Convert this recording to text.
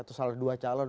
atau salah dua calon